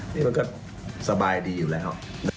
นี่มันก็สบายดีอยู่แล้ว